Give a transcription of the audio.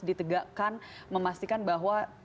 ditegakkan memastikan bahwa